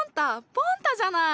ポン太じゃない。